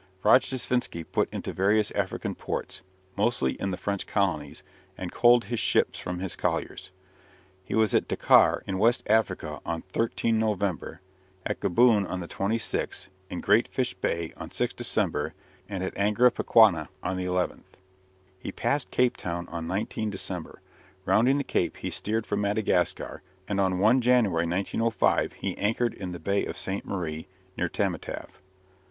Rojdestvensky put into various African ports, mostly in the French colonies, and coaled his ships from his colliers. He was at Dakar, in West Africa, on 13 November; at Gaboon on the 26th; in Great Fish Bay on 6 December; and at Angra Pequeña on the 11th. He passed Cape Town on 19 December. Rounding the Cape, he steered for Madagascar, and on 1 January, 1905, he anchored in the Bay of Ste. Marie, near Tamatave.